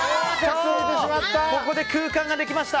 ここで空間ができました。